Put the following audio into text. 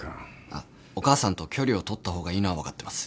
あっお母さんと距離を取った方がいいのは分かってます。